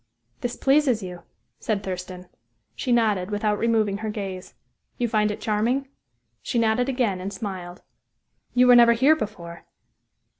"This pleases you," said Thurston. She nodded, without removing her gaze. "You find it charming?" She nodded again, and smiled. "You were never here before?"